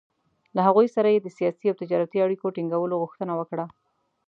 له هغوی سره یې د سیاسي او تجارتي اړیکو ټینګولو غوښتنه وکړه.